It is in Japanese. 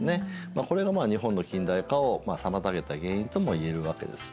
まあこれが日本の近代化を妨げた原因ともいえるわけです。